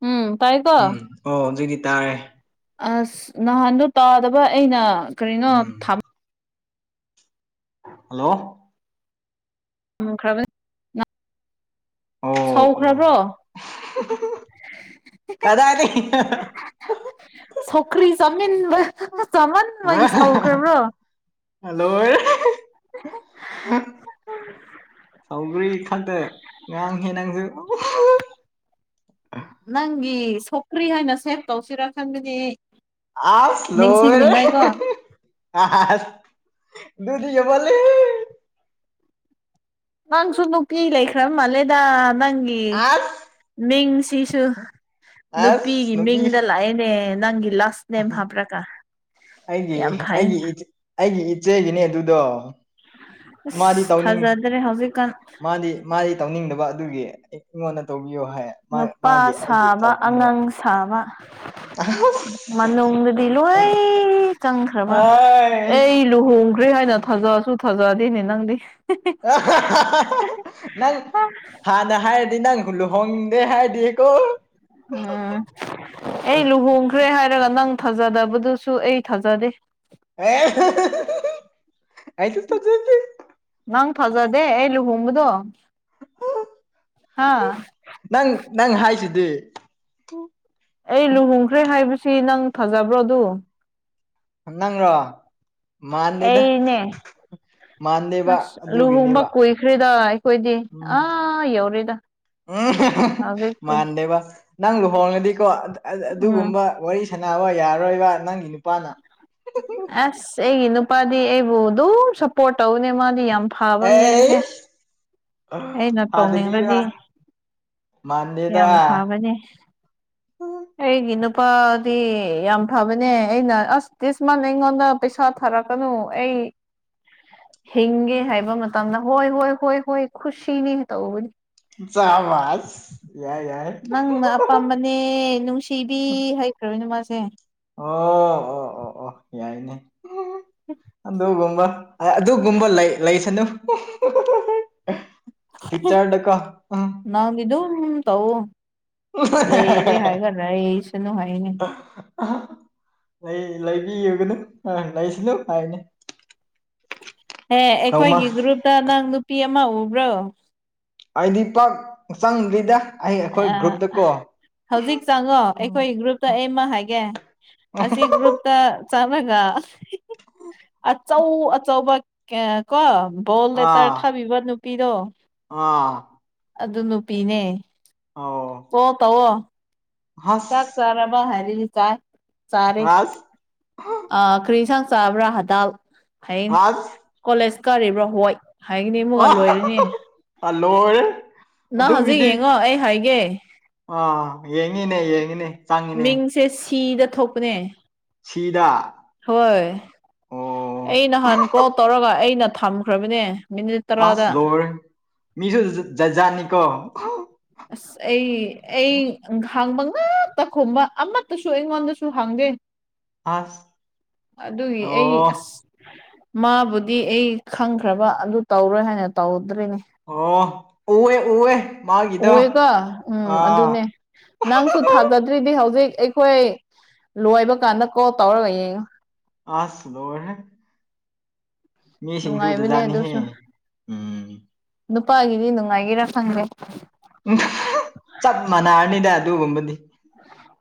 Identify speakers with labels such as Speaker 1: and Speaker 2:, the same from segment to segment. Speaker 1: ꯎꯝ ꯇꯥꯏꯀꯣ
Speaker 2: ꯎꯝ ꯑꯣ ꯍꯧꯖꯤꯛꯇꯤ ꯇꯥꯔꯦ
Speaker 1: ꯑꯁ ꯅꯍꯥꯟꯗꯨ ꯇꯥꯗꯕ ꯑꯩꯅ ꯀꯔꯤꯅꯣ
Speaker 2: ꯎꯝ ꯍꯜꯂꯣ
Speaker 1: ꯎꯝ ꯈ꯭ꯔꯕ ꯁꯧꯈ꯭ꯔꯕ꯭ꯔꯣ
Speaker 2: ꯀꯗꯥꯢꯗꯒꯤꯅꯣ
Speaker 1: ꯁꯧꯈ꯭ꯔꯤ ꯆꯥꯃꯤꯟꯕ ꯆꯥꯃꯟꯕꯒꯤ ꯁꯧꯈ꯭ꯔꯕ꯭ꯔꯣ
Speaker 2: ꯍꯜꯂꯣ ꯁꯥꯎꯒ꯭ꯔꯤ ꯈꯪꯗꯦ ꯉꯥꯡꯉꯤ ꯅꯪꯁꯨ
Speaker 1: ꯅꯪꯒꯤ ꯁꯣꯀ꯭ꯔꯤ ꯍꯥꯏꯅ ꯁꯦꯚ ꯇꯧꯁꯤꯔꯥ ꯈꯟꯕꯅꯦ ꯑꯩ
Speaker 2: ꯑꯁ ꯂꯣꯢꯔꯦ ꯑꯁ ꯗꯨꯗꯤ ꯍꯦꯟꯃꯥꯜꯂꯦ
Speaker 1: ꯅꯪꯁꯨ ꯅꯨꯄꯤ ꯂꯩꯈ꯭ꯔ ꯃꯥꯜꯂꯦꯗ ꯅꯪꯒꯤ
Speaker 2: ꯑꯁ
Speaker 1: ꯃꯤꯡꯁꯤꯁꯨ
Speaker 2: ꯑꯁ
Speaker 1: ꯅꯨꯄꯤꯒꯤ
Speaker 2: ꯅꯨꯄꯤ
Speaker 1: ꯃꯤꯡꯗ ꯂꯥꯛꯑꯦꯅꯦ ꯅꯪꯒꯤ ꯂꯥꯞ ꯅ ꯍꯥꯥꯞꯔꯀꯥ
Speaker 2: ꯑꯩꯒꯤ
Speaker 1: ꯌꯥꯝ
Speaker 2: ꯑꯩꯒꯤ
Speaker 1: ꯐꯥꯏꯅꯦ
Speaker 2: ꯏꯆꯦ ꯑꯩꯒꯤ ꯏꯆꯦꯒꯤꯅꯦ ꯑꯗꯨꯗꯣ ꯃꯥꯗꯤ
Speaker 1: ꯑꯁ
Speaker 2: ꯇꯧꯅꯤꯡ
Speaker 1: ꯊꯥꯖꯗ꯭ꯔꯦ ꯍꯧꯖꯤꯛꯀꯥꯟ
Speaker 2: ꯃꯥꯗꯤ ꯃꯥꯗꯤ ꯇꯧꯅꯤꯡꯗꯕ ꯑꯗꯨꯒꯤ ꯑꯩ ꯑꯩꯉꯣꯟꯗ ꯇꯧꯕꯤꯌꯣ ꯍꯥꯏ ꯃꯥ
Speaker 1: ꯅꯨꯄꯥ
Speaker 2: ꯃꯥꯒꯤ ꯑꯩꯒꯤ
Speaker 1: ꯁꯥꯕ
Speaker 2: ꯇꯧꯕꯅꯤꯅ
Speaker 1: ꯑꯉꯥꯡ ꯁꯥꯕ
Speaker 2: ꯑꯁ
Speaker 1: ꯃꯅꯨꯡꯗꯗꯤ ꯂꯣꯏ ꯆꯪꯈ꯭ꯔꯕ
Speaker 2: ꯑꯩ
Speaker 1: ꯑꯩ ꯂꯨꯍꯣꯡꯈ꯭ꯔꯦ ꯍꯥꯏꯅ ꯊꯥꯖꯁꯨ ꯊꯥꯖꯗꯦꯅꯦ ꯅꯪꯗꯤ
Speaker 2: ꯅꯪ ꯍꯥ ꯍꯥ ꯍꯥꯩ ꯅꯪ ꯊꯥ ꯗ ꯍꯥꯏꯔꯗꯤ ꯅꯪꯁꯨ ꯂꯨꯍꯣꯡꯗꯦ ꯍꯥꯏꯔꯗꯤꯀꯣ
Speaker 1: ꯎꯝ ꯑꯩ ꯂꯨꯍꯣꯡ ꯈ꯭ꯔꯦ ꯍꯥꯏꯔꯒ ꯅꯪ ꯊꯥꯖꯗꯕꯗꯨꯁꯨ ꯑꯩ ꯊꯥꯖꯗꯦ
Speaker 2: ꯑ ꯑꯩꯁꯨ ꯊꯖꯗꯦ
Speaker 1: ꯅꯪ ꯐꯖꯗꯦ ꯑꯩ ꯂꯨꯍꯣꯡꯕꯗꯣ ꯍꯥ
Speaker 2: ꯅꯪ ꯅꯪ ꯍꯥꯏꯁꯤꯗꯤ
Speaker 1: ꯑꯩ ꯂꯨꯍꯣꯡꯈ꯭ꯔꯦ ꯍꯥꯏꯕꯁꯤ ꯅꯪ ꯊꯥꯖꯕ꯭ꯔꯣ ꯑꯗꯨ
Speaker 2: ꯅꯪꯔꯣ ꯃꯥꯟꯗꯦꯕ
Speaker 1: ꯑꯩꯅꯦ
Speaker 2: ꯃꯥꯟꯗꯦꯕ ꯑꯗꯨꯒꯤꯅꯦꯕ
Speaker 1: ꯈ꯭ꯔꯤꯗ ꯑꯩꯈꯣꯏꯗꯤ
Speaker 2: ꯎꯝ
Speaker 1: ꯑꯥ ꯌꯧꯔꯦꯗ
Speaker 2: ꯎꯝ
Speaker 1: ꯍꯧꯖꯤꯛꯇꯤ
Speaker 2: ꯃꯥꯟꯗꯦꯕ ꯅꯪ ꯂꯨꯍꯣꯡꯉꯗꯤꯀꯣ
Speaker 1: ꯎꯝ
Speaker 2: ꯑꯗꯨꯒꯨꯝꯕ ꯋꯥꯔꯤ ꯁꯅꯕ ꯌꯥꯔꯣꯏꯕ ꯅꯪꯒꯤ ꯅꯨꯄꯥꯅ
Speaker 1: ꯑꯁ ꯑꯩꯒꯤ ꯅꯨꯄꯥꯗꯤ ꯑꯩꯕꯨ ꯑꯗꯨꯝ ꯁꯞꯄꯣꯠ ꯇꯧꯅꯦ ꯃꯥꯗꯤ ꯌꯥꯝ ꯐꯕ ꯃꯤꯅꯤꯍꯦ
Speaker 2: ꯑꯦ
Speaker 1: ꯑꯩꯅ
Speaker 2: ꯐꯥꯗꯕꯤꯔ
Speaker 1: ꯇꯧꯅꯤꯡꯔꯗꯤ
Speaker 2: ꯃꯥꯟꯗꯦꯗ
Speaker 1: ꯌꯥꯝ ꯐꯕꯅꯦ ꯑꯩꯒꯤ ꯅꯨꯄꯥꯗꯤ ꯌꯥꯝ ꯐꯕꯅꯦ ꯑꯩꯅ ꯑꯁ ꯇꯤꯁꯃꯥꯟ ꯑꯩꯉꯣꯟꯗ ꯄꯩꯁꯥ ꯊꯥꯔꯛꯀꯅꯨ ꯑꯩ ꯍꯤꯡꯒꯦ ꯍꯥꯏꯕ ꯃꯇꯝꯗ ꯍꯣꯏ ꯍꯣꯏ ꯍꯣꯏ ꯍꯣꯏ ꯈꯨꯁꯤꯅꯤ ꯇꯧꯕꯅꯤ
Speaker 2: ꯁꯥꯕꯥꯁ ꯌꯥꯏ ꯌꯥꯏ
Speaker 1: ꯅꯪꯅ ꯑꯄꯥꯝꯕꯅꯦ ꯅꯨꯡꯁꯤꯕꯤ ꯍꯥꯢꯈ꯭ꯔꯕꯅꯦ ꯃꯥꯁꯦ
Speaker 2: ꯑꯣ ꯑꯣ ꯑꯣ ꯑꯣ ꯌꯥꯏꯅꯦ ꯑꯗꯨꯒꯨꯝꯕ ꯑꯗꯨꯒꯨꯝꯕ ꯂꯩ ꯂꯩꯁꯅꯨ ꯄꯤꯛꯆꯔꯗꯀꯣ ꯎ
Speaker 1: ꯅꯪꯗꯤ ꯑꯗꯨꯝ ꯇꯧ ꯂꯩꯔꯦ ꯍꯥꯏꯔꯒ ꯂꯩꯁꯅꯨ ꯍꯥꯏꯌꯦꯅꯦ
Speaker 2: ꯂꯩ ꯂꯩꯕꯤꯌꯨꯒꯅꯨ ꯂꯩꯁꯨꯅꯨ ꯍꯥꯏꯅꯤ
Speaker 1: ꯑꯦ
Speaker 2: ꯅꯣꯡꯃ
Speaker 1: ꯑꯩꯈꯣꯏꯒꯤ ꯒ꯭ꯔꯨꯞꯇ ꯅꯪ ꯅꯨꯄꯤ ꯑꯃ ꯎꯕ꯭ꯔꯣ
Speaker 2: ꯑꯩꯗꯤ ꯄꯥꯛ ꯆꯪꯗ꯭ꯔꯤꯗ ꯑꯩ ꯑꯩꯈꯣꯏ ꯒ꯭ꯔꯨꯞꯇꯀꯣ
Speaker 1: ꯍꯧꯖꯤꯛ ꯆꯪꯉꯣ ꯑꯩꯈꯣꯏ ꯒ꯭ꯔꯨꯞꯇ ꯑꯩ ꯑꯃ ꯍꯥꯏꯒꯦ ꯑꯁꯤ ꯒ꯭ꯔꯨꯨꯞ ꯇ ꯆꯪꯔꯒ ꯑꯆꯧ ꯑꯆꯧꯕ ꯀꯣ ꯕꯣꯜ ꯂꯦꯇꯔ
Speaker 2: ꯑꯥ
Speaker 1: ꯊꯥꯕꯤꯕ ꯅꯨꯄꯤꯗꯣ
Speaker 2: ꯑꯥ
Speaker 1: ꯑꯗꯨ ꯅꯨꯄꯤꯅꯦ
Speaker 2: ꯑꯣ
Speaker 1: ꯑꯣ ꯇꯧꯑꯣ ꯆꯥꯛ ꯆꯥꯔꯕ ꯍꯥꯏꯔꯤꯗꯤ ꯆꯥꯏ
Speaker 2: ꯉꯥꯁ
Speaker 1: ꯑ ꯈꯔꯤ ꯌꯦꯟꯁꯥꯡ ꯆꯥꯕ꯭ꯔꯥ ꯍꯗꯜ ꯍꯥꯏꯌꯦꯅꯤ
Speaker 2: ꯑꯁ
Speaker 1: ꯀꯣꯂꯦꯖ ꯀꯥꯔꯤꯕ꯭ꯔꯣ ꯍꯣꯏ ꯍꯥꯏꯒꯅꯤ ꯑꯃꯨꯛꯒ ꯂꯣꯏꯔꯅꯤ
Speaker 2: ꯑ ꯂꯣꯏꯔꯦ
Speaker 1: ꯅꯪ ꯍꯧꯖꯤꯛ ꯌꯦꯡꯉꯣ ꯑꯩ ꯍꯥꯏꯒꯦ
Speaker 2: ꯑ ꯌꯦꯡꯉꯤꯅꯦ ꯌꯦꯡꯉꯤꯅꯦ ꯆꯪꯉꯤꯅꯦ
Speaker 1: ꯃꯤꯡꯁꯦ ꯁꯤꯗ ꯊꯣꯛꯄꯅꯦ
Speaker 2: ꯁꯤꯗꯥ
Speaker 1: ꯍꯣꯏ ꯑꯩ ꯅꯍꯥꯟ ꯀꯣꯜ ꯇꯧꯔꯒ ꯑꯩꯅ ꯊꯝꯈ꯭ꯔꯕꯅꯦ ꯃꯤꯅꯤꯠ
Speaker 2: ꯑ
Speaker 1: ꯇꯔꯥꯗ
Speaker 2: ꯁꯂꯣꯔ ꯃꯤꯁꯨ ꯖꯖꯥꯅꯤꯀꯣ
Speaker 1: ꯑꯁ ꯑꯩ ꯑꯩꯈꯥꯡꯕ ꯉꯥꯛꯛꯇ ꯈꯨꯝꯕ ꯑꯃꯠꯇꯁꯨ ꯑꯩꯉꯣꯟꯗꯁꯨ ꯍꯪꯗꯦ
Speaker 2: ꯑꯁ
Speaker 1: ꯑꯗꯨꯒꯤ ꯑꯩ ꯑꯁ
Speaker 2: ꯑꯣ
Speaker 1: ꯃꯥꯕꯨꯗꯤ ꯑꯩ ꯈꯪꯈ꯭ꯔꯕ ꯑꯗꯨ ꯇꯧꯔꯣꯏ ꯍꯥꯏꯅ ꯇꯧꯗ꯭ꯔꯤꯅꯦ
Speaker 2: ꯑꯣ ꯎꯋꯦ ꯎꯋꯦ ꯃꯥꯒꯤꯗꯣ
Speaker 1: ꯍꯑꯦꯒ ꯎꯝ
Speaker 2: ꯑꯥ
Speaker 1: ꯑꯗꯨꯅꯦ ꯅꯪꯁꯨ ꯊꯥꯖꯗ꯭ꯔꯤꯗꯤ ꯍꯧꯖꯤꯛ ꯑꯩꯈꯣꯏ ꯂꯣꯏꯕ ꯀꯥꯟꯗ ꯀꯣꯜ ꯇꯧꯔꯒ ꯌꯦꯡꯉꯣ
Speaker 2: ꯑꯗꯦ
Speaker 1: ꯅꯨꯡꯉꯥꯏꯕꯅꯦ
Speaker 2: ꯖꯥꯠꯖꯥꯠꯅꯤꯍꯦ
Speaker 1: ꯑꯗꯨꯁꯨ
Speaker 2: ꯎꯝ
Speaker 1: ꯅꯨꯄꯥꯒꯤꯗꯤ ꯅꯨꯡꯉꯥꯏꯒꯦꯔꯥ ꯈꯪꯗꯦ
Speaker 2: ꯎꯝ ꯆꯞ ꯃꯥꯟꯅꯔꯅꯤꯗ ꯑꯗꯨꯒꯨꯝꯕꯗꯤ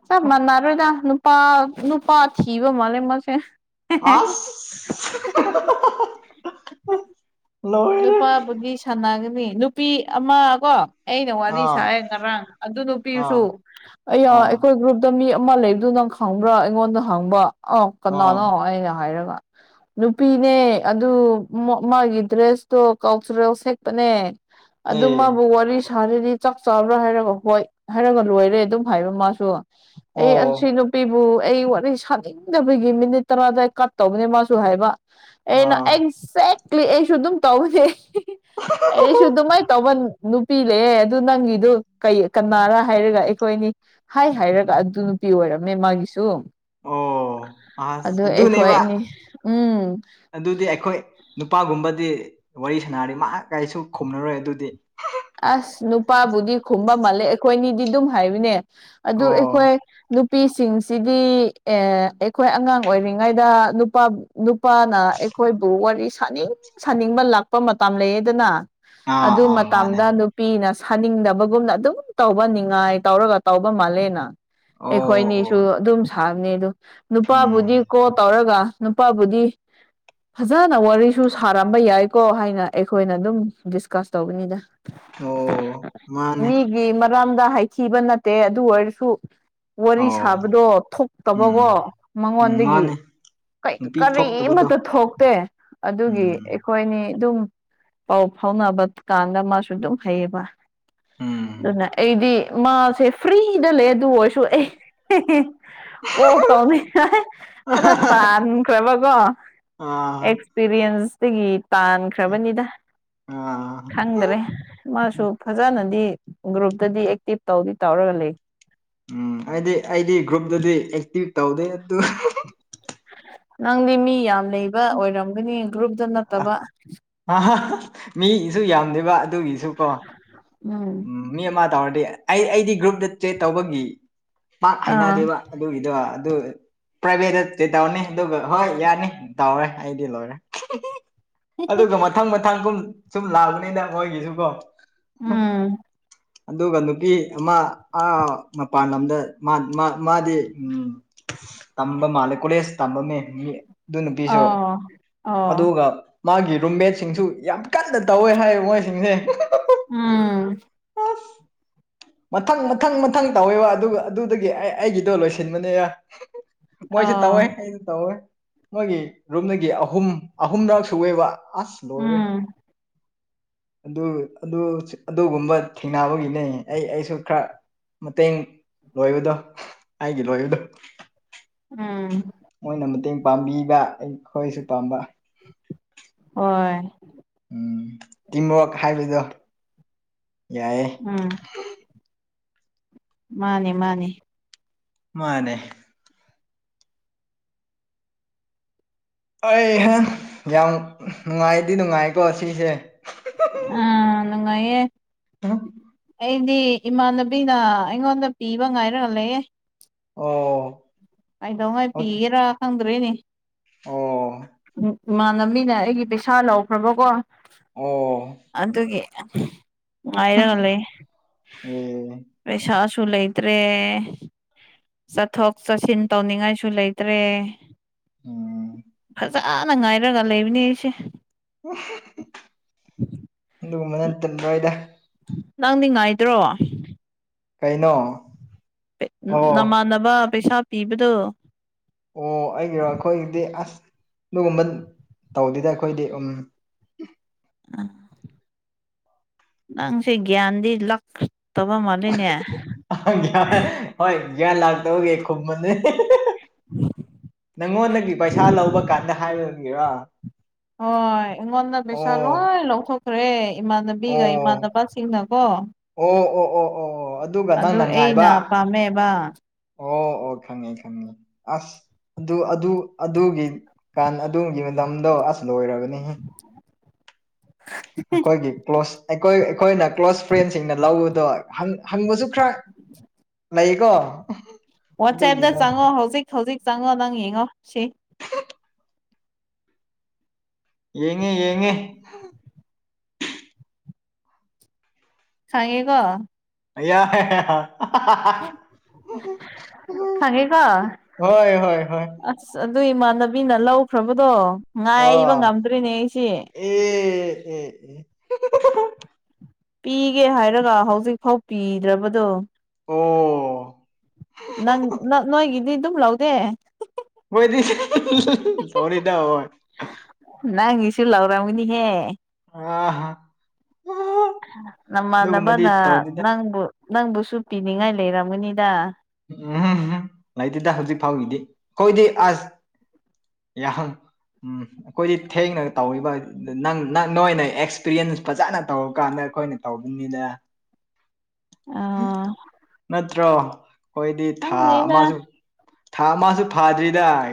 Speaker 1: ꯆꯞ ꯃꯥꯟꯅꯔꯣꯏꯗ ꯅꯨꯄꯥ ꯅꯨꯄꯥ ꯊꯕ ꯃꯥꯅꯦ ꯃꯁꯦ
Speaker 2: ꯑ
Speaker 1: ꯅꯨꯄꯥꯕꯨꯒꯤ ꯁꯥꯟꯅꯒꯅꯤ ꯅꯨꯄꯤ ꯑꯃ ꯀꯣ ꯑꯩꯅ ꯋꯥꯔꯤ
Speaker 2: ꯑꯥ
Speaker 1: ꯁꯥꯏꯑꯦ ꯉꯔꯥꯡ ꯑꯗꯨ
Speaker 2: ꯑꯥ
Speaker 1: ꯅꯨꯄꯤꯁꯨ ꯑ
Speaker 2: ꯑꯥ
Speaker 1: ꯑꯩꯈꯣꯏ ꯒ꯭ꯔꯨꯞ ꯑ ꯗ ꯃꯤ ꯑꯃ ꯂꯩꯕꯗꯨ ꯅꯪ ꯈꯪꯕ꯭ꯔꯥ ꯑꯩꯉꯣꯟꯗ ꯍꯪꯕ ꯑꯥꯎ
Speaker 2: ꯑꯥ
Speaker 1: ꯀꯅꯥꯅꯣ ꯑꯩꯅ ꯍꯥꯏꯔꯒ ꯅꯨꯄꯤꯅꯦ ꯑꯗꯨ ꯃꯥꯒꯤ ꯗ꯭ꯔꯦꯁꯇꯣ ꯀꯜꯆꯔꯦꯜ ꯁꯦꯠꯄꯅꯦ ꯑꯗꯨ
Speaker 2: ꯑꯦ
Speaker 1: ꯃꯥꯕꯨ ꯋꯥꯔꯤ ꯊꯥꯁꯤꯗꯤ ꯆꯥꯛ ꯆꯥꯕ꯭ꯔꯥ ꯍꯥꯏꯔꯒ ꯍꯣꯏ ꯍꯥꯏꯔꯒ ꯂꯣꯏꯔꯦ ꯑꯗꯨꯝ ꯍꯥꯏꯕ ꯃꯥꯁꯨ ꯑꯩ
Speaker 2: ꯑꯣ
Speaker 1: ꯆꯅ ꯅꯨꯄꯤꯕꯨ ꯑꯩ ꯋꯥꯔꯤ ꯁꯥꯅꯤꯡꯗꯕꯒꯤ ꯃꯤꯅꯤꯠ ꯇꯔꯥꯗꯗꯥꯏ ꯀꯠ ꯇꯧꯕꯅꯦ ꯃꯥꯁꯨ ꯍꯥꯏꯕ ꯑꯩꯅ
Speaker 2: ꯑꯥ
Speaker 1: ꯑꯦꯛꯖꯦꯛꯂꯤ ꯑꯩꯁꯨ ꯑꯗꯨꯝ ꯇꯧꯁꯦ ꯑꯩꯁꯨꯨꯗ ꯃꯥꯏ ꯇꯣꯃ ꯅꯨꯄꯤ ꯂꯩꯌꯦꯦꯑꯗꯨ ꯅꯪꯒꯤꯗꯨ ꯀ ꯀꯅꯥꯔ ꯍꯥꯏꯔꯒ ꯑꯩꯈꯣꯏꯅꯤ ꯍꯥꯏ ꯍꯥꯏꯔꯒ ꯑꯗꯨ ꯅꯨꯄꯤ ꯑꯣꯏꯔꯝꯃꯦ ꯃꯥꯒꯤꯁꯨ
Speaker 2: ꯑꯣ ꯑꯁ
Speaker 1: ꯑꯗꯨ
Speaker 2: ꯑꯗꯨꯅꯦꯕ
Speaker 1: ꯑꯩꯈꯣꯏꯅꯤ ꯎꯝ
Speaker 2: ꯑꯗꯨꯗꯤ ꯑꯩꯈꯣꯏ ꯅꯨꯄꯥꯒꯨꯝꯕꯗꯤ ꯋꯥꯔꯤ ꯁꯥꯟꯅꯔꯤ ꯃꯥ ꯀꯥꯏꯁꯨ ꯈꯨꯝꯅꯔꯣꯏ ꯑꯗꯨꯗꯤ
Speaker 1: ꯑꯁ ꯅꯨꯄꯥꯕꯨꯗꯤ ꯈꯨꯝꯕ ꯃꯥꯜꯂꯦ ꯑꯩꯈꯣꯏꯅꯤꯗꯤ ꯑꯗꯨꯝ ꯍꯥꯏꯔꯤꯅꯦ ꯑꯗꯨ ꯑꯩꯈꯣꯏ
Speaker 2: ꯑꯣ
Speaker 1: ꯅꯨꯄꯤꯁꯤꯡꯁꯤꯗꯤ ꯑꯩꯈꯣꯏ ꯑꯉꯥꯡ ꯑꯣꯏꯔꯤꯉꯩꯗ ꯅꯨꯄꯥ ꯅꯨꯄꯥꯅ ꯑꯩꯈꯣꯏꯕꯨ ꯋꯥꯔꯤ ꯁꯥꯅꯤꯡ ꯁꯥꯅꯤꯡꯕ ꯂꯥꯛꯄ ꯃꯇꯝ ꯂꯩꯌꯦꯗꯅ ꯑ
Speaker 2: ꯑꯥ ꯑꯥ
Speaker 1: ꯃ
Speaker 2: ꯃꯥꯅꯦ
Speaker 1: ꯅꯨꯄꯤꯅ ꯁꯥꯅꯤꯡꯗꯕꯒꯨꯝꯅ ꯑꯗꯨꯝ ꯇꯧꯕ ꯉꯥꯏ ꯇꯧꯔꯒ ꯇꯧꯕ ꯃꯥꯜꯂꯦꯅ
Speaker 2: ꯑꯣ ꯑꯣ
Speaker 1: ꯑꯩꯈꯣꯏꯅꯤꯁꯨ ꯑꯗꯨꯝ ꯁꯥꯕꯅꯤ ꯑꯗꯨꯗ
Speaker 2: ꯎꯝ
Speaker 1: ꯅꯨꯄꯥꯕꯨꯗꯤ ꯀꯣ ꯇꯧꯔꯒ ꯅꯨꯄꯥꯕꯨꯗꯤ ꯐꯖꯅ ꯋꯥꯔꯤꯁꯨ ꯁꯥꯔꯝꯕ ꯌꯥꯏꯀꯣ ꯍꯥꯏꯅ ꯑꯩꯈꯣꯏꯅ ꯑꯗꯨꯝ ꯗꯤꯁꯀꯁ ꯇꯧꯕꯅꯤꯗ
Speaker 2: ꯑꯣ ꯃꯥꯅꯦ
Speaker 1: ꯒꯤ ꯃꯔꯝꯗ ꯍꯥꯏꯈꯤꯕ ꯅꯠꯇꯦ ꯑꯗꯨ ꯑꯣꯏꯔꯁꯨ ꯋꯥꯔꯤ
Speaker 2: ꯑꯣ
Speaker 1: ꯁꯥꯕꯗꯣ ꯊꯣꯛꯇꯕꯀꯣ
Speaker 2: ꯎꯝ ꯎꯝ
Speaker 1: ꯃꯉꯣꯟꯗꯒꯤ
Speaker 2: ꯃꯥꯅꯦ ꯅꯨꯄꯤ ꯊꯣꯛꯇꯕꯗꯣ
Speaker 1: ꯀꯔꯤꯃꯠꯇ ꯊꯣꯛꯇꯦ ꯑꯗꯨꯒꯤ
Speaker 2: ꯎꯝ
Speaker 1: ꯍꯣꯏꯅꯦ ꯑꯗꯨꯝ ꯄꯥꯎ ꯐꯥꯎꯅꯕ ꯀꯥꯟꯗ ꯃꯥꯁꯨ ꯑꯗꯨꯝ ꯍꯩꯌꯦꯕ
Speaker 2: ꯎꯝ
Speaker 1: ꯑꯗꯨꯅ ꯑꯩꯗꯤ ꯃꯥꯁꯦ ꯐ꯭ꯔꯤꯗ ꯂꯩ ꯑꯗꯨ ꯑꯣꯏꯔꯁꯨ ꯑꯦ ꯀꯣꯛ ꯇꯧꯅꯤ ꯈꯔ ꯇꯥꯟꯈ꯭ꯔꯕꯀꯣ
Speaker 2: ꯑꯥ
Speaker 1: ꯑꯦꯛꯁꯄꯔꯤꯌꯦꯟꯁꯇꯒꯤ ꯇꯥꯟ ꯈ꯭ꯔꯕꯅꯤꯗ
Speaker 2: ꯑꯥ
Speaker 1: ꯈꯪꯗꯔꯦ ꯃꯥꯁꯨ ꯐꯖꯅꯗꯤ ꯒ꯭ꯔꯨꯞꯇꯗꯤ ꯑꯦꯛꯇꯤꯚ ꯇꯧꯗꯤ ꯇꯧꯔꯒ ꯂꯩ
Speaker 2: ꯎꯝ ꯍꯥꯏꯗꯤ ꯑꯩꯗꯤ ꯒ꯭ꯔꯨꯞꯇꯗꯤ ꯑꯦꯛꯇꯤꯚ ꯇꯧꯗꯦ ꯑꯗꯨ
Speaker 1: ꯅꯪꯗꯤ ꯃꯤ ꯌꯥꯝ ꯂꯩꯕ ꯑꯣꯏꯔꯝꯒꯅꯤ ꯒ꯭ꯔꯨꯞꯇ ꯅꯠꯇꯕ
Speaker 2: ꯃꯤꯒꯤꯁꯨ ꯌꯥꯝꯗꯦꯕ ꯑꯗꯨꯒꯤꯁꯨ ꯀꯣ
Speaker 1: ꯎꯝ
Speaker 2: ꯃꯤ ꯑꯃ ꯇꯧꯔꯗꯤ ꯑꯩ ꯑꯩꯗꯤ ꯒ꯭ꯔꯨꯞꯇ ꯆꯦꯛ ꯇꯧꯕꯒꯤ ꯄꯥꯛ
Speaker 1: ꯑꯥ
Speaker 2: ꯍꯩꯅꯗꯦꯕ ꯑꯗꯨꯒꯤꯗꯣ ꯑꯗꯨ ꯄ꯭ꯔꯥꯏꯚꯦꯠꯇꯗꯤ ꯇꯧꯅꯤ ꯑꯗꯨꯒ ꯍꯣꯏ ꯌꯥꯅꯤ ꯇꯧꯔꯦ ꯑꯩꯗꯤ ꯂꯣꯏꯔꯦ ꯑꯗꯨꯒ ꯃꯊꯪ ꯃꯊꯪ ꯀꯨꯝ ꯁꯨꯝ ꯂꯥꯛꯕꯅꯤꯅ ꯃꯣꯏꯒꯤꯁꯨ ꯀꯣ
Speaker 1: ꯎꯝ
Speaker 2: ꯑꯗꯨꯒ ꯅꯨꯄꯤ ꯑꯃ ꯑꯥ ꯃꯄꯥꯟ ꯂꯝꯗ ꯃꯥ ꯃꯥ ꯃꯥꯗꯤ ꯇꯝꯕ ꯃꯥꯜꯂꯦ ꯀꯣꯂꯦꯖ ꯇꯃꯥꯝꯃꯦ ꯃꯤ ꯑꯗꯨ ꯅꯨꯄꯤꯁꯨ
Speaker 1: ꯑꯣ ꯑꯣ
Speaker 2: ꯑꯗꯨꯒ ꯃꯥꯒꯤ ꯔꯨꯝꯃꯦꯠꯁꯤꯡꯁꯨ ꯌꯥꯝ ꯀꯟꯅ ꯇꯧꯋꯦ ꯍꯥꯏ ꯃꯣꯏꯁꯤꯡꯁꯦ
Speaker 1: ꯎꯝ
Speaker 2: [unintelligible] ꯃꯊꯪ ꯃꯊꯪ ꯃꯊꯪ ꯇꯧꯋꯦꯕ ꯑꯗꯨꯒ ꯑꯗꯨꯗꯒꯤ ꯑꯩ ꯑꯩꯒꯤꯗꯣ ꯂꯣꯏꯁꯤꯟꯕꯅꯦꯔ ꯃꯣꯏꯁꯦ ꯇꯧꯋꯦ
Speaker 1: ꯑꯣ
Speaker 2: ꯑꯩꯅ ꯇꯧꯋꯦ ꯃꯣꯏꯒꯤ ꯔꯨꯝꯗꯒꯤ ꯑꯍꯨꯝ ꯑꯍꯨꯝꯔꯛ ꯁꯨꯑꯦꯕ ꯑꯁ ꯂꯣꯏꯔꯦ
Speaker 1: ꯎꯝ
Speaker 2: ꯑꯗꯨ ꯑꯗꯨꯒꯨꯝꯕ ꯊꯦꯡꯅꯕꯒꯤꯅꯦ ꯑꯩ ꯑꯩꯁꯨ ꯈꯔ ꯃꯇꯦꯡ ꯂꯣꯏꯕꯗꯣ ꯑꯩꯒꯤ ꯂꯣꯏꯕꯗꯣ
Speaker 1: ꯎꯝ
Speaker 2: ꯃꯣꯏꯅ ꯃꯇꯦꯡ ꯄꯥꯡꯕꯤꯕ ꯑꯩꯈꯣꯏꯁꯨ ꯄꯥꯝꯕ
Speaker 1: ꯍꯣꯏ
Speaker 2: ꯎꯝ ꯇꯤꯝꯋꯔꯛ ꯍꯥꯏꯕꯗꯣ ꯌꯥꯏꯌꯦ
Speaker 1: ꯎꯝ ꯃꯥꯅꯦ ꯃꯥꯅꯦ
Speaker 2: ꯃꯥꯅꯦ [unintelligible] ꯌꯥꯝ ꯅꯨꯡꯉꯥꯏꯗꯤ ꯅꯨꯡꯉꯥꯏꯀꯣ ꯁꯤꯁꯦ
Speaker 1: ꯑ ꯅꯨꯉꯥꯏꯌꯦ
Speaker 2: [unintelligible]
Speaker 1: ꯑꯩꯗꯤ ꯏꯃꯥꯟꯅꯕꯤꯅ ꯑꯩꯉꯣꯟꯗ ꯄꯤꯕ ꯉꯥꯏꯔꯒ ꯂꯩꯌꯦ
Speaker 2: ꯑꯣ
Speaker 1: ꯀꯩꯗꯣ ꯍꯣꯏ ꯄꯤꯒꯦꯔꯥ ꯈꯪꯗ꯭ꯔꯦꯅꯦ
Speaker 2: ꯑꯣ
Speaker 1: ꯏꯃꯥꯟꯅꯕꯤꯅ ꯑꯩꯒꯤ ꯄꯩꯁꯥ ꯂꯧꯈ꯭ꯔꯕꯀꯣ
Speaker 2: ꯑꯣ
Speaker 1: ꯑꯗꯨꯒꯤ ꯉꯥꯏꯔꯒ ꯂꯩ
Speaker 2: ꯑꯦ
Speaker 1: ꯄꯩꯁꯥꯁꯨ ꯂꯩ ꯇ꯭ꯔꯦ ꯆꯠꯊꯣꯛ ꯆꯠꯁꯤꯟ ꯇꯧꯅꯤꯡꯉꯥꯏꯁꯨ ꯂꯩꯇ꯭ꯔꯦ
Speaker 2: ꯎꯝ
Speaker 1: ꯐꯖꯅ ꯉꯥꯏꯔꯒ ꯂꯩꯕꯅꯦ ꯑꯩꯁꯦ
Speaker 2: ꯑꯗꯨꯒꯨꯝꯕꯅ ꯇꯤꯟꯕ꯭ꯔꯣꯏꯗ
Speaker 1: ꯅꯪꯗꯤ ꯉꯥꯏꯗ꯭ꯔꯣ
Speaker 2: ꯀꯩꯅꯣ ꯑꯣ
Speaker 1: ꯅꯃꯥꯟꯅꯕ ꯄꯩꯁꯥ ꯄꯤꯕꯗꯣ
Speaker 2: ꯑꯣ ꯑꯩꯒꯤꯔꯣ ꯑꯩꯈꯣꯏꯒꯤꯗꯤ ꯑꯁ ꯑꯗꯨꯒꯨꯝꯕ ꯇꯧꯗꯦꯗ ꯑꯩꯈꯣꯏꯗꯤ ꯎꯝ
Speaker 1: [unintelligible] ꯅꯪꯁꯦ ꯒ꯭ꯌꯥꯟꯗꯤ ꯂꯛꯇꯕ ꯃꯥꯜꯂꯤꯅꯦ
Speaker 2: ꯒ꯭ꯌꯥꯟ ꯍꯣꯏ ꯒ꯭ꯌꯥꯟ ꯂꯥꯛꯇꯕꯒꯦ ꯈꯨꯝꯕꯅꯦ ꯅꯪꯉꯣꯟꯗꯒꯤ ꯄꯩꯁꯥ ꯂꯧꯕ ꯀꯥꯟꯗ ꯍꯥꯏꯔꯝꯒꯦꯔ
Speaker 1: ꯍꯣꯏ ꯑꯩꯉꯣꯟꯗ ꯄꯩꯁꯥ ꯂꯣꯏ ꯂꯧꯊꯣꯛꯈ꯭ꯔꯦ
Speaker 2: ꯑꯣ
Speaker 1: ꯏꯃꯥꯟꯅꯕꯤꯒ ꯏꯃꯥꯟꯅꯕꯁꯤꯡꯅꯀꯣ
Speaker 2: ꯑꯣ ꯑꯣ ꯑꯣ ꯑꯣ ꯑꯣ ꯑꯗꯨꯒ
Speaker 1: ꯑꯗꯨ
Speaker 2: ꯅꯪꯅ
Speaker 1: ꯑꯩꯅ
Speaker 2: ꯉꯥꯏꯕ
Speaker 1: ꯄꯥꯝꯃꯦꯕ
Speaker 2: ꯑꯣ ꯑꯣ ꯈꯥꯉꯦ ꯈꯥꯉꯦ ꯑꯁ ꯑꯗꯨ ꯑꯗꯨ ꯑꯗꯨꯒꯤ ꯀꯥꯟ ꯑꯗꯨꯒꯤ ꯃꯇꯝꯗꯣ ꯑꯁ ꯂꯣꯏꯔꯕꯅꯤ ꯑꯩꯈꯣꯏꯒꯤ ꯀ꯭ꯂꯣꯁ ꯑꯩꯈꯣꯏ ꯑꯩꯈꯣꯏꯅ ꯀ꯭ꯂꯣꯁ ꯐ꯭ꯔꯦꯟꯁꯤꯡꯅ ꯂꯧꯕꯗꯣ ꯍꯪꯕꯁꯨ ꯈꯔ ꯂꯩꯀꯣ
Speaker 1: ꯋꯥꯆꯦꯞꯇ
Speaker 2: ꯑꯗꯨꯒꯤꯗꯣ
Speaker 1: ꯆꯪꯉꯣ ꯍꯧꯖꯤꯛ ꯍꯧꯖꯤꯛ ꯆꯪꯉꯣ ꯅꯪ ꯌꯦꯡꯉꯣ ꯁꯤ
Speaker 2: [unintelligible] ꯌꯦꯡꯉꯦ ꯌꯦꯡꯉꯦ
Speaker 1: ꯁꯥꯡꯉꯦꯒꯣ
Speaker 2: ꯑꯌꯥ ꯍꯦ ꯍꯥ
Speaker 1: ꯈꯉꯦ ꯀꯣ
Speaker 2: ꯍꯣꯏ ꯍꯣꯏ ꯍꯣꯏ
Speaker 1: ꯑꯁ ꯑꯗꯨ ꯏꯃꯥꯟꯅꯕꯤꯅ ꯂꯧꯈ꯭ꯔꯕꯗꯣ ꯉꯥꯏꯕ
Speaker 2: ꯑꯣ
Speaker 1: ꯉꯝꯗ꯭ꯔꯤꯅꯦ ꯑꯩꯁꯦ
Speaker 2: ꯑꯦ ꯑꯦ ꯑꯦ [unintelligible]
Speaker 1: ꯄꯤꯒꯦ ꯍꯥꯏꯔꯒ ꯍꯧꯖꯤꯛ ꯐꯥꯎ ꯄꯤꯗ꯭ꯔꯕꯗꯣ
Speaker 2: ꯑꯣ
Speaker 1: ꯅꯪ ꯅ ꯅꯣꯏ ꯏꯗꯤ ꯑꯗꯨꯝ ꯂꯥꯎꯗꯦ
Speaker 2: ꯃꫭꯏꯗꯤ [unintelligible]
Speaker 1: ꯅꯪ ꯒꯤꯁꯨ ꯂꯥꯎꯔꯝꯃꯒꯅꯤꯍꯦ
Speaker 2: ꯑꯥ
Speaker 1: ꯅꯃꯥꯟꯅꯕꯅ
Speaker 2: ꯑꯗꯨꯒꯨꯝꯕꯗꯤ ꯇꯧꯗꯦꯗ
Speaker 1: ꯅꯪꯕꯨ ꯅꯪꯕꯨꯁꯨ ꯄꯤꯅꯤꯡꯉꯥꯏ ꯂꯩꯔꯝꯒꯅꯤꯗ
Speaker 2: ꯎꯝ ꯂꯩꯇꯦꯗ ꯍꯧꯖꯤꯛ ꯐꯥꯎꯒꯤꯗꯤ ꯑꯩꯈꯣꯏꯗꯤ ꯑꯁ ꯌꯥꯍꯪ ꯎꯝ ꯑꯩꯈꯣꯏꯗꯤ ꯊꯦꯡꯅ ꯇꯧꯔꯤꯕ ꯅꯪ ꯅꯪ ꯅꯣꯏꯅ ꯑꯦꯛꯁꯄꯤꯔꯤꯌꯦꯟꯁ ꯐꯖꯅ ꯇꯧꯔꯀꯥꯟꯗ ꯑꯩꯈꯣꯏꯅ ꯇꯧꯕꯅꯤꯗ
Speaker 1: [inaudible] ꯑꯥ
Speaker 2: ꯅꯠꯇ꯭ꯔꯣ ꯑꯩꯈꫭꯏꯗꯤ ꯊꯥ
Speaker 1: ꯈꯪꯗꯦꯗ
Speaker 2: ꯑꯃꯁꯨ ꯊꯥ ꯃꯥꯁꯨ ꯐꯥꯗ꯭ꯔꯤꯗꯥꯏ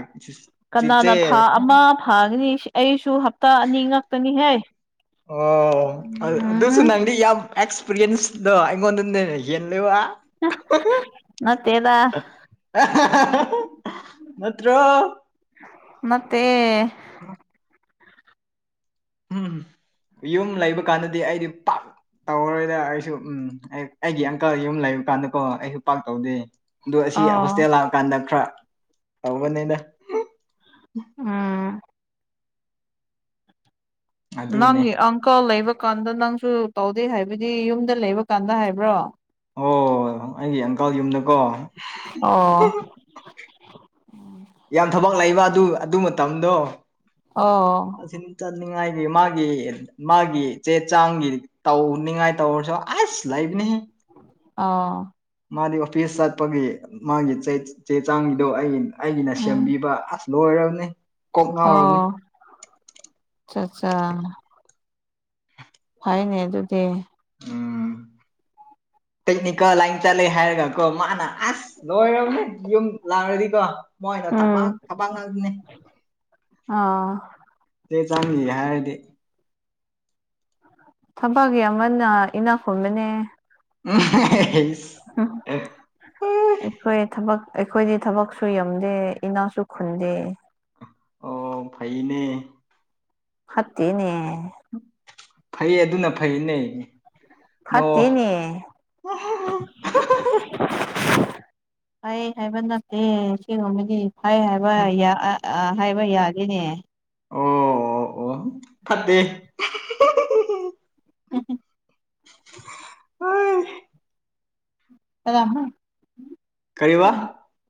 Speaker 1: ꯀꯅꯥꯅ ꯊꯥ ꯑꯃ ꯐꯥꯒꯅꯤ ꯑꯩꯁꯨ ꯍꯞꯇꯥ ꯑꯅꯤ ꯉꯇꯅꯤꯍꯦ
Speaker 2: ꯑꯣ ꯑꯗꯨꯁꯨ ꯅꯪꯗꯤ ꯌꯥꯝ ꯑꯦꯛꯁꯄꯤꯔꯤꯌꯦꯟꯁꯇꯣ ꯑꯩꯉꯣꯟꯗꯅꯦ ꯍꯦꯜꯂꯦꯕ
Speaker 1: ꯅꯠꯇꯦꯗ
Speaker 2: [unintelligible] [unintelligible] ꯅꯠꯇ꯭ꯔꯣ
Speaker 1: ꯅꯠꯇꯦ
Speaker 2: ꯎꯝ ꯌꯨꯝ ꯂꯩꯕ ꯀꯥꯟꯗꯗꯤ ꯑꯩꯗꯤ ꯄꯥꯛ ꯇꯧꯔꯔꯣꯏꯗ ꯑꯩꯁꯨ ꯎꯝ ꯑꯩꯒꯤ ꯑꯪꯀꯜ ꯌꯨꯝ ꯂꯩꯕ ꯀꯥꯟꯗꯀꯣ ꯑꯩꯁꯨ ꯄꯥꯛ ꯇꯧꯗꯦ ꯑꯗꯣ ꯑꯁꯤ
Speaker 1: ꯑꯣ
Speaker 2: ꯍꯣꯁꯇꯦꯜ ꯂꯥꯛꯑꯀꯥꯟꯗ ꯈꯔ ꯇꯧꯕꯅꯦꯗꯥ
Speaker 1: ꯎꯝ
Speaker 2: ꯑꯗꯨꯅꯦ
Speaker 1: ꯅꯪꯒꯤ ꯑꯪꯀꯜ ꯂꯩꯕꯀꯥꯟꯗ ꯅꯪꯁꯨ ꯇꯧꯗꯦ ꯍꯥꯏꯕꯗꯤ ꯌꯨꯝꯗ ꯂꯩꯕ ꯀꯥꯟꯗ ꯍꯥꯏꯕ꯭ꯔꯣ
Speaker 2: ꯑꯣ ꯑꯩꯒꯤ ꯑꯪꯀꯜ ꯌꯨꯝꯗꯀꯣ
Speaker 1: ꯑꯣ
Speaker 2: ꯌꯥꯝ ꯊꯕꯛ ꯂꯩꯕ ꯑꯗꯨ ꯑꯗꯨ ꯃꯇꯝꯗꯣ
Speaker 1: ꯑꯣ
Speaker 2: ꯁꯤ ꯆꯠꯅꯤꯡꯉꯥꯏꯒꯤ ꯃꯥꯒꯤ ꯃꯥꯒꯤ ꯆꯦ ꯆꯥꯡꯒꯤ ꯇꯧꯅꯤꯡꯉꯥꯏ ꯇꯧꯔꯁꯨ ꯑꯁ ꯂꯩꯕꯅꯦꯍꯦ
Speaker 1: ꯑꯥ
Speaker 2: ꯃꯥꯗꯤ ꯑꯣꯐꯤꯁ ꯆꯠꯄꯒꯤ ꯃꯥꯒꯤ ꯆꯦ ꯆꯥꯡꯒꯤꯗꯣ ꯑꯩ ꯑꯩꯒꯤꯅ
Speaker 1: ꯎꯝ
Speaker 2: ꯁꯦꯝꯕꯤꯕ ꯑꯁ ꯂꫭꯏꯔꯕꯅꯤ
Speaker 1: ꯑꯣ ꯑꯆꯥ ꯑꯆꯥ ꯐꯩꯅꯦ ꯑꯗꯨꯗꯤ
Speaker 2: ꯇꯦꯛꯅꯤ ꯀꯜ ꯂꯥꯏ ꯆꯠꯂꯦ ꯍꯥꯏꯔꯒ ꯀꯣ ꯃꯥꯅꯥ ꯑꯁ ꯂꯣꯏꯔꯕꯅꯦ ꯌꯨꯝ ꯂꯥꯛꯔꯗꯤꯀꯣ ꯃꯣꯏꯅ ꯊꯕꯛ ꯊꯕꯛ ꯉꯥꯛꯇꯅꯤ
Speaker 1: ꯑꯥ
Speaker 2: ꯆꯦ [unintelligible] ꯍꯥꯏꯔꯗꯤ
Speaker 1: ꯊꯕꯛ ꯌꯥꯝꯃꯟꯅ ꯏꯅꯥꯛ ꯈꯨꯟꯕꯅꯦ
Speaker 2: [unintelligible]
Speaker 1: [unintelligible] ꯑꯩꯈꯣꯏ ꯊꯕꯛ ꯑꯩꯈꯣꯏꯗꯤ ꯊꯕꯛꯁꯨ ꯌꯥꯝꯗꯦ ꯏꯅꯥꯛꯁꯨ ꯈꯨꯟꯗꯦ
Speaker 2: ꯑꯣ ꯐꯩꯅꯦ
Speaker 1: ꯐꯠꯇꯦꯅꯦ
Speaker 2: ꯐꯩꯌꯦ ꯑꯗꯨꯅ ꯐꯩꯌꯦꯅꯦ
Speaker 1: ꯐꯠꯇꯦꯅꯦ [unintelligible] ꯐꯩ ꯍꯥꯏꯕ ꯅꯠꯇꯦ ꯁꯤꯒꯨꯝꯕꯗꯤ ꯐꯩ ꯍꯥꯏꯕ
Speaker 2: ꯍꯝ
Speaker 1: ꯌꯥ ꯑꯥ ꯑꯥ ꯍꯥꯏꯕ ꯌꯥꯗꯦꯅꯦ
Speaker 2: ꯑꯣ ꯑꯣ ꯐꯠꯇꯦ
Speaker 1: [unintelligible]
Speaker 2: [unintelligible] ꯀꯔꯤꯕ
Speaker 1: [unintelligible]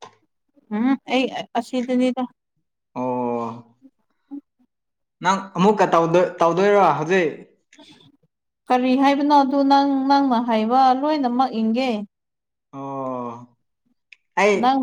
Speaker 1: ꯎꯝꯍꯨꯝ ꯑꯩ ꯑ ꯑꯁꯤꯗꯅꯤꯗ
Speaker 2: ꯑꯣ ꯅꯪ ꯑꯃꯨꯛꯀ ꯇꯧꯗꯣꯏ ꯇꯧꯗꯣꯏꯔꯣ ꯍꯧꯖꯤꯛ
Speaker 1: ꯀꯔꯤ ꯍꯥꯏꯕꯅꯣ ꯑꯗꯨ ꯅꯪ ꯅꯪꯅ ꯍꯥꯏꯕ ꯂꯣꯏꯅꯃꯛ ꯏꯟꯒꯦ
Speaker 2: ꯑꯣ ꯑꯩ
Speaker 1: ꯅꯪ__